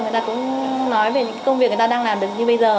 họ cũng nói về những công việc họ đang làm được như bây giờ